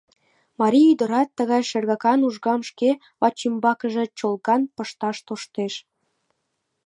Марий ӱдырат тыгай шергакан ужгам шке вачӱмбакыже чолган пышташ тоштеш!